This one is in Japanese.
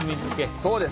そうです。